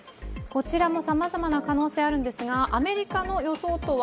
こちらもさまざまな可能性があるんですが、アメリカの予想とは